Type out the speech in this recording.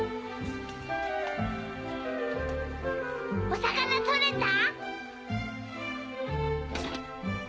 お魚取れた？